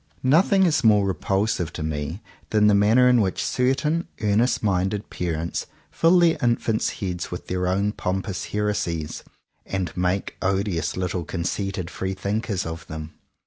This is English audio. Nothing is more repulsive to me than the manner in which certain earnest minded parents fill their infants' heads with their own pompous heresies, and make odious little conceited free thinkers of them.